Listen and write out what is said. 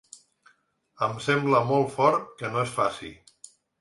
Em sembla molt fort que no es faci.